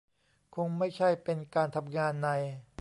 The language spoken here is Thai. คงไม่ใช่เป็นการทำงานใน